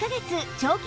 長期